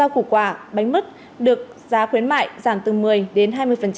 củ quả bánh mứt được giá khuyến mại giảm từ một mươi đến hai mươi